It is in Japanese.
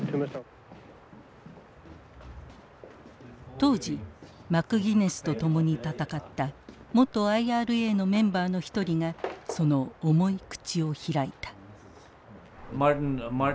当時マクギネスと共に闘った元ＩＲＡのメンバーの一人がその重い口を開いた。